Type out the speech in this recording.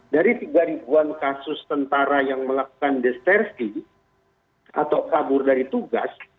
dari tiga ribuan kasus tentara yang melakukan distersi atau kabur dari tugas